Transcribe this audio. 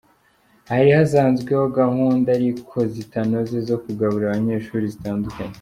Hari hasanzweho gahunda ariko zitanoze zo kugaburira abanyeshuri zitandukanye.